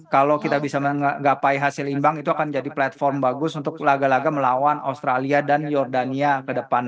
kalau kita bisa menggapai hasil imbang itu akan jadi platform bagus untuk laga laga melawan australia dan jordania ke depan